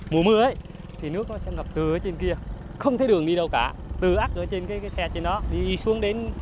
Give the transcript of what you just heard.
mùa mưa thì nước nó sẽ ngập từ ở trên kia không thấy đường đi đâu cả từ ác ở trên cái xe trên nó đi xuống đến